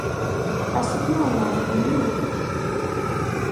asimaana akumi?